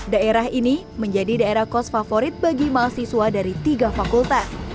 daerah ini menjadi daerah kos favorit bagi mahasiswa dari tiga fakultas